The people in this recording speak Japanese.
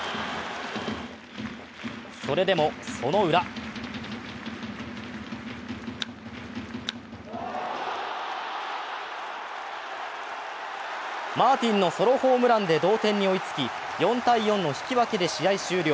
それでもそのウラマーティンのソロホームランで同点に追いつき、４−４の引き分けで試合終了。